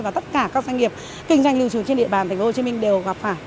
và tất cả các doanh nghiệp kinh doanh lưu trú trên địa bàn tp hcm đều gặp phải